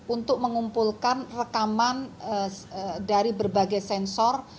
untuk mengumpulkan rekaman dari berbagai sensor